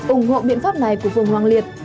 ủng hộ biện pháp này của phương hoàng liệt